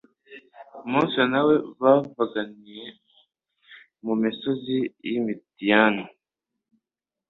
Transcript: Mose nawe bavuganiye mu misozi y'i Midiani;